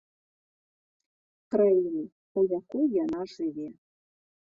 Краіны, у якой яна жыве.